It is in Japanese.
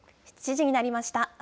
７時になりました。